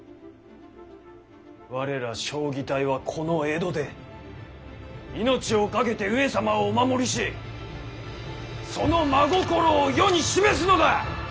我ら彰義隊はこの江戸で命をかけて上様をお守りしその真心を世に示すのだ！